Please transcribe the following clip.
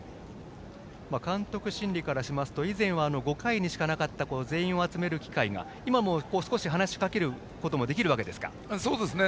監督心理からしますと以前は５回しかなかった全員を集める機会が今、少し話しかけることもそうですね。